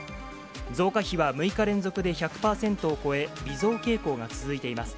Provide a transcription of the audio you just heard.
増加比は６日連続で１００％を超え、微増傾向が続いています。